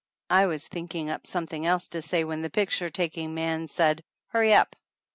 I was thinking up something else to say when the picture taking man said hurry up.